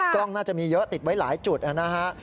กล้องน่าจะมีเยอะติดไว้หลายจุดนะฮะ